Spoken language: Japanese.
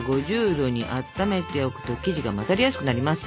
℃にあっためておくと生地が混ざりやすくなります。